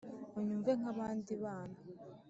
unyumve nka bandi bana